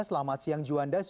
selamat siang juanda